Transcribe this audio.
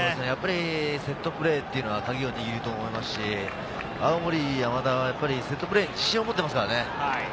やっぱりセットプレーというのはカギを握ると思いますし、青森山田はセットプレーに自信を持っていますからね。